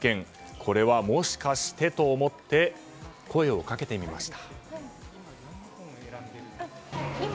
これはもしかしてと思って声をかけてみました。